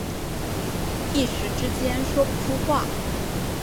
一时之间说不出话